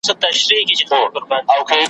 ناوړه طبیب ,